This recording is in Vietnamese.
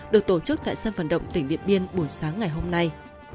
được tổ chức tại sân vận động tỉnh điện biên buổi sáng ngày hôm nay